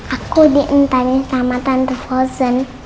aku diantar sama tante fosen